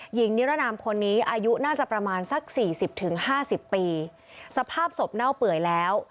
หญิงนิรนามคนนี้อายุน่าจะประมาณสักสี่สิบถึงห้าสิบปีสภาพศพเน่าเปื่อยแล้ว